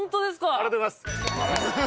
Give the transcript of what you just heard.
ありがとうございます。